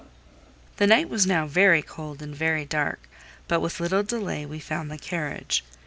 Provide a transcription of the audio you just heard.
The night was now very cold and very dark, but with little delay we found the carriage.